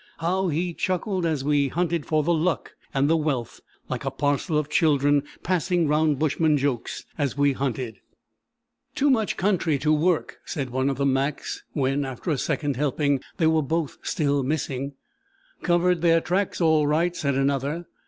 How he chuckled as we hunted for the "luck" and the "wealth," like a parcel of children, passing round bushman jokes as we hunted. "Too much country to work," said one of the Macs, when after a second helping they were both still "missing." "Covered their tracks all right," said another.